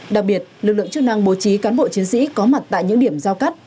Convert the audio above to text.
đặc biệt lực lượng chức năng bố trí cán bộ chiến sĩ có mặt tại những điểm giao cắt